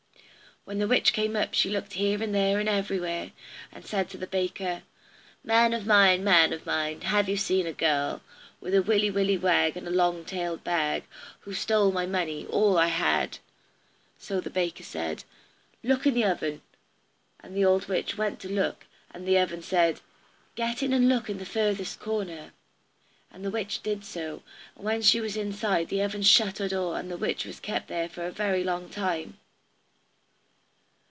When the witch came up she looked here and there and everywhere, and then said to the baker: "Man of mine, man of mine, Have you seen a girl, With a willy willy wag, and a long tailed bag, Who's stole my money, all I had?" So the baker said, "Look in the oven." The old witch went to look, and the oven said, "Get in and look in the furthest corner." The witch did so, and when she was inside the oven shut her door, and the witch was kept there for a very long time.